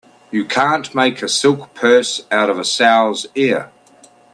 You can't make a silk purse out of a sow's ear.